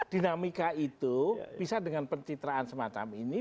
dinamika itu bisa dengan pencitraan semacam ini